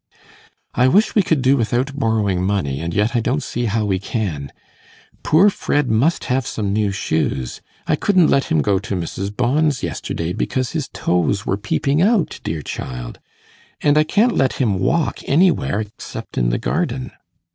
'I wish we could do without borrowing money, and yet I don't see how we can. Poor Fred must have some new shoes; I couldn't let him go to Mrs. Bond's yesterday because his toes were peeping out, dear child! and I can't let him walk anywhere except in the garden.